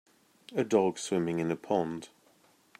A dog swimming in a pond.